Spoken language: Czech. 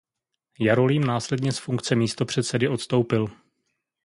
Jarolím následně z funkce místopředsedy odstoupil.